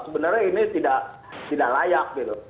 sebenarnya ini tidak layak gitu